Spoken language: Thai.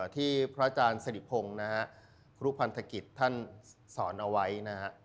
ที่พระอาจารย์สิริพงศ์นะฮะครูพันธกิจท่านสอนเอาไว้นะฮะ